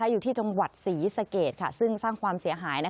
อยู่ที่จังหวัดศรีสะเกดซึ่งสร้างความเสียหาย